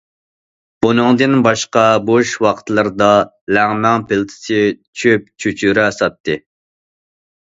بۇنىڭدىن باشقا، بوش ۋاقىتلىرىدا لەڭمەن پىلتىسى، چۆپ، چۆچۈرە ساتتى.